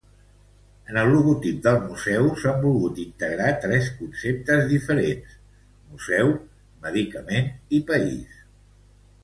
En el logotip del Museu s'han volgut integrar tres conceptes diferents: museu, medicament i país.